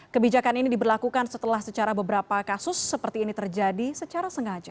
kebijakan ini diberlakukan setelah secara beberapa kasus seperti ini terjadi secara sengaja